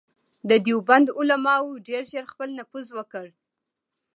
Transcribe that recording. د دیوبند علماوو ډېر ژر خپل نفوذ وکړ.